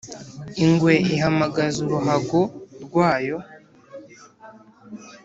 ingwe ihamagaza uruhago rwayo